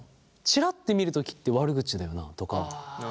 チラッて見るときって悪口だよなとか。